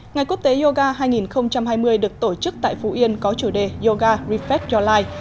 ngày quốc tế yoga hai nghìn hai mươi được tổ chức tại phú yên có chủ đề yoga reflect your life